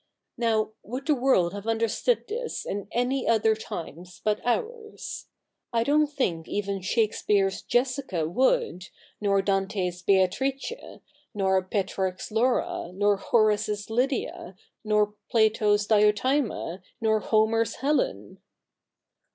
Now, would the world have understood this in any other times but ours? I don't think even Shakespeare's Jessica would, nor Dante's Beatrice, nor Petrarch's Laura, nor Horace's Lydia, nor Plato's Diotima, nor Homer's Helen.'